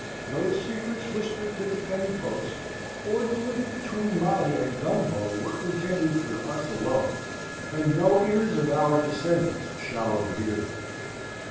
Those secrets whispered to the penny post, or delivered between Molly and Gumbo, were intended for us alone, and no ears of our descendants shall overhear them.